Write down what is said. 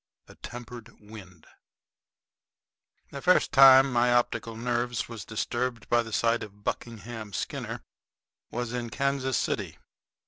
A TEMPERED WIND The first time my optical nerves was disturbed by the sight of Buckingham Skinner was in Kansas City.